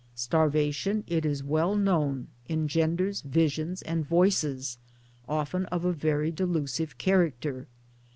Starvation, it is well known, engenders visions and voices, often of a very delusive character.